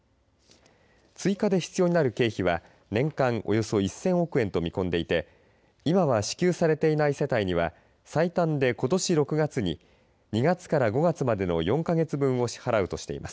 追加で必要になる経費は年間およそ１０００億円と見込んでいて今は支給されていない世帯には最短でことし６月に２月から５月までの４か月分を支払うとしています。